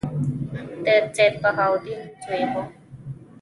د سیدبهاءالدین زوی وو.